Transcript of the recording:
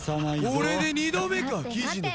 これで２度目か雉野。